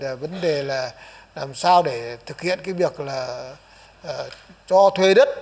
ví dụ như là vấn đề bt này thế rồi là vấn đề là làm sao để thực hiện cái việc là cho thuê đất